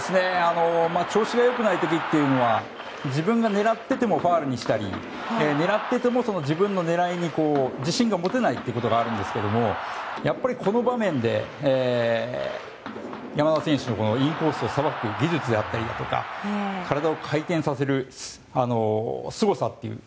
調子が良くない時は自分が狙っていてもファウルになったり狙っていても自分の狙いに自信が持てないということがあるんですけどもやっぱり、この場面で山田選手のインコースをさばく技術だったり体を回転させるすごさという。